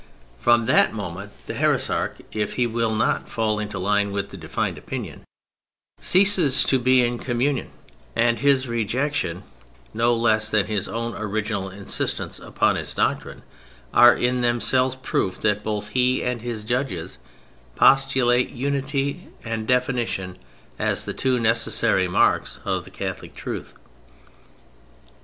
From that moment the heresiarch, if he will not fall into line with defined opinion, ceases to be in communion; and his rejection, no less than his own original insistence upon his doctrine, are in themselves proofs that both he and his judges postulate unity and definition as the two necessary marks of Catholic truth.